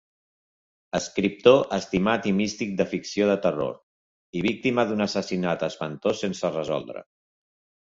Escriptor estimat i místic de ficció de terror, i víctima d'un assassinat espantós sense resoldre.